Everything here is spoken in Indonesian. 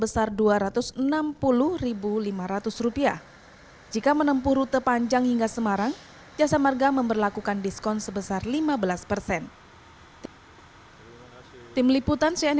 sudah diterang gitu ya